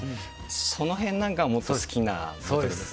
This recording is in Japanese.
その辺なんかは好きなボトルです。